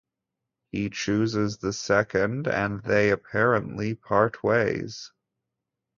He chooses the second and they apparently part ways.